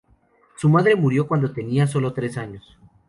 Su madre murió cuándo tenía sólo tres años.